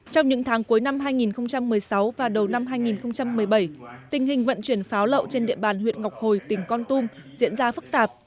trong những tháng cuối năm hai nghìn một mươi sáu và đầu năm hai nghìn một mươi bảy tình hình vận chuyển pháo lậu trên địa bàn huyện ngọc hồi tỉnh con tum diễn ra phức tạp